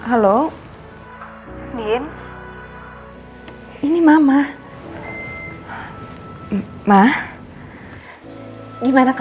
anak mama yang cantik